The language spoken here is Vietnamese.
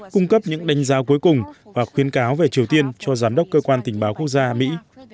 cung cấp những đánh giá cuối cùng và khuyến cáo về triều tiên cho giám đốc cơ quan tình báo quốc gia mỹ